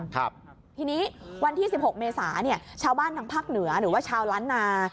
ทีนี้วันที่สิบหกเมษาเนี่ยชาวบ้านทางภาคเหนือหรือว่าชาวล้านนา